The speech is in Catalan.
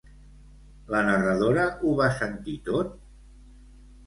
La narradora ho va sentir tot?